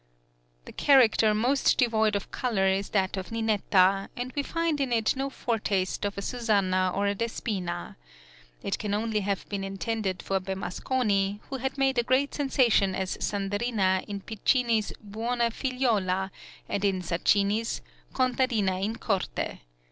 The character most devoid of colour is that of Ninetta, and we find in it no foretaste of a Susannah or a Despina. It can only have been intended for Bemasconi, who had made a great sensation as Sandrina in Piccini's "Buona Figliola," and in Sacchini's "Contadina in Corte."